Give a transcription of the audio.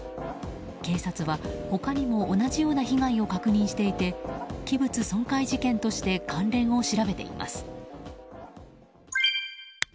警察は他にも同じような被害を確認していて器物損壊事件として関連を調べています。